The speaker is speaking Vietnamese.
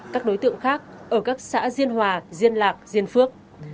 các đối tượng khác ở các xã diên hòa diên lạc diên phước